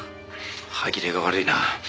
歯切れが悪いな。